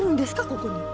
ここに。